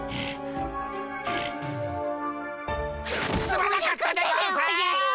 すまなかったでゴンス！